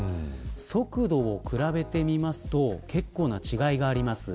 速度を比べてみると結構な違いがあります。